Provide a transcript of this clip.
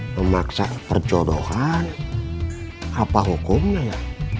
memaksa perjodohan apa hukumnya ya